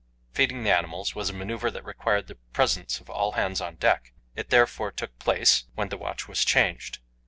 Feeding the animals was a manoeuvre that required the presence of all hands on deck; it therefore took place when the watch was changed.